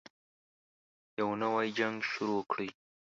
يو نـوی جـنګ شروع كړئ.